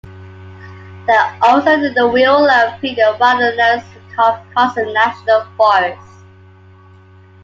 They are also in the Wheeler Peak Wilderness of Carson National Forest.